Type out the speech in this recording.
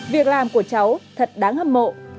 việc làm của cháu thật đáng hâm mộ